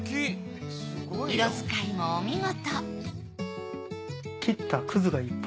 色使いもお見事！